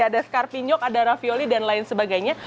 ada skarpinyok ada ravioli dan lain sebagainya